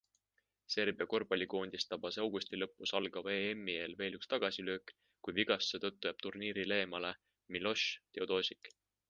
Serbia korvpallikoondist tabas augusti lõpus algava EMi eel veel üks tagasilöök, kui vigastuse tõttu jääb turniiril eemale Miloš Teodosic.